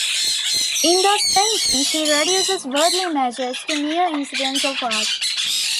In those paintings, he reduces worldly images to mere incidents of Art.